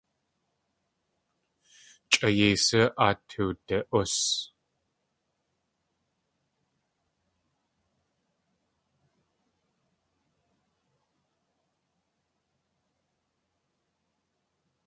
Chʼa yeisú áa tuwdi.ús.